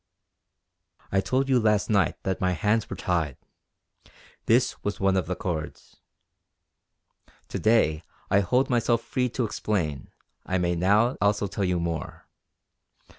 I told you last night that my hands were tied; this was one of the cords. To day I hold myself free to explain I may now also tell you more.